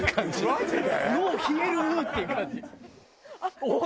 マジで？